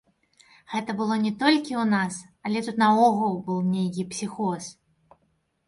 Гэта было не толькі ў нас, але тут наогул быў нейкі псіхоз.